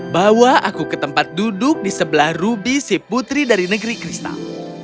bawa aku ke tempat duduk di sebelah ruby si putri dari negeri kristal